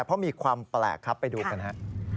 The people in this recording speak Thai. เพราะมีความแปลกครับไปดูกันฮะ